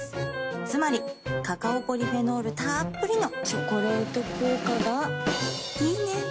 つまりカカオポリフェノールたっぷりの「チョコレート効果」がいいね。